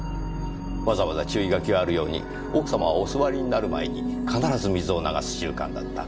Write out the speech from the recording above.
わざわざ注意書きがあるように奥様はお座りになる前に必ず水を流す習慣があった。